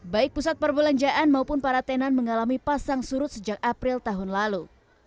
baik pusat perbelanjaan maupun para tenan mengalami pasang surut sejak april tahun lalu